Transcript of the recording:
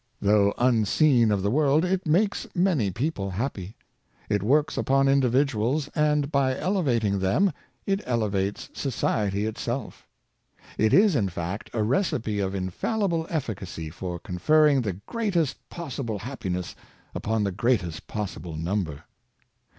Though un seen of the world, it makes many people happy. It works upon individuals, and by elevating them, it ele vates society itself It is, in fact, a recipe of infallible efficacy for conferring the greatest possible happiness upon the greatest possible number.